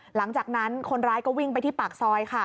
หลังจากนั้นคนร้ายก็วิ่งไปที่ปากซอยค่ะ